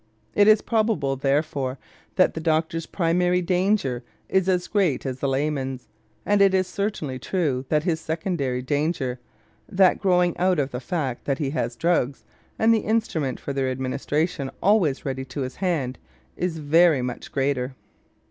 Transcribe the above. It is probable, therefore, that the doctor's primary danger is as great as the layman's, and it is certainly true that his secondary danger that growing out of the fact that he has drugs and the instrument for their administration always ready to his hand is very much greater.